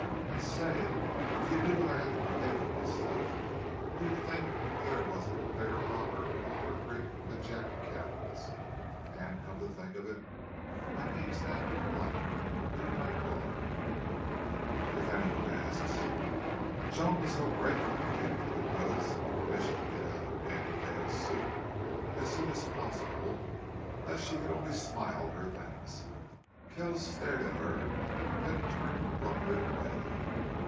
And, say, if you knew what I had to pay for this stuff you'd think there was a bigger robber in Alder Creek than Jack Kells.... And, come to think of it, my name's now Blight. You're my daughter, if any one asks." Joan was so grateful to him for the goods and the permission to get out of Dandy Dale's suit as soon as possible, that she could only smile her thanks. Kells stared at her, then turned abruptly away.